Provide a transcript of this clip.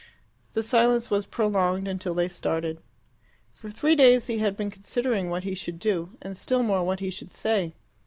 The silence was prolonged until they started. For three days he had been considering what he should do, and still more what he should say.